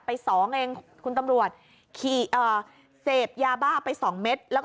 ไปสองเองคุณตำรวจขี่เอ่อเสพยาบ้าไปสองเม็ดแล้วก็